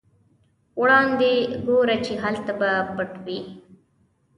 وړاندې ګوره چې هلته به پټ وي.